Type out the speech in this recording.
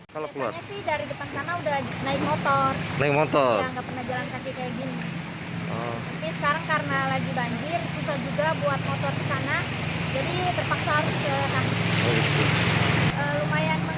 karena lagi banjir susah juga buat motor ke sana jadi terpaksa harus ke kanan